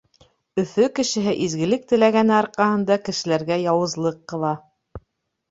Өфө кешеһе изгелек теләгәне арҡаһында кешеләргә яуызлыҡ ҡыла.